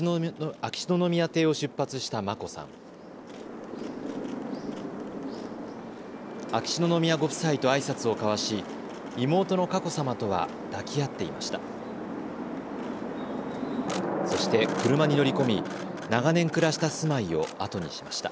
秋篠宮ご夫妻とあいさつを交わし妹の佳子さまとは抱き合っていました。